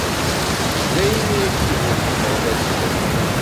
Daymi i ak-iburek Umeɣlal i dayem.